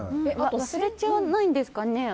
忘れちゃわないんですかね。